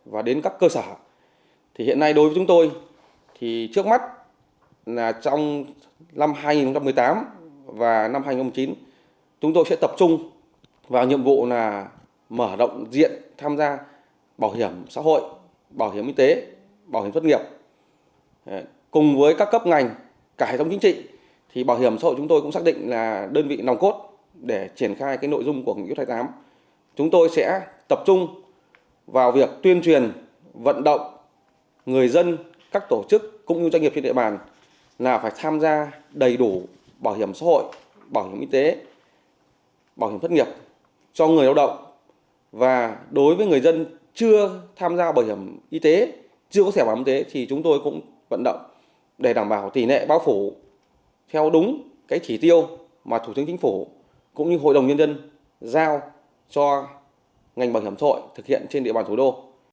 và đối với người dân chưa tham gia bảo hiểm y tế chưa có sẻ bảo hiểm y tế thì chúng tôi cũng vận động để đảm bảo tỷ nệ báo phủ theo đúng cái chỉ tiêu mà thủ tướng chính phủ cũng như hội đồng nhân dân giao cho ngành bảo hiểm xã hội thực hiện trên địa bàn thủ đô